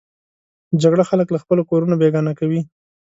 جګړه خلک له خپلو کورونو بېګانه کوي